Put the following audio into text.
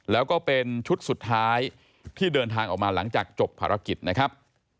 แล้วก็เป็นชุดสุดท้ายที่เดินทางออกมาหลังจากจบภารกิจนะครับ